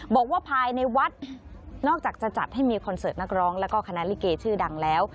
บอกว่าภายในวัดนอกจากจะจัดให้มีคอนเสิร์ตนักร้องแล้วก็คณะลิเกชื่อดังแล้ว